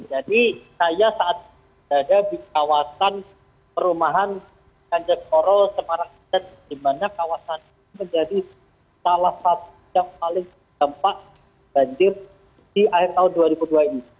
jadi saya saat ada di kawasan perumahan kanjengkoro semarang jawa tengah di mana kawasan ini menjadi salah satu yang paling terdampak banjir di akhir tahun dua ribu dua ini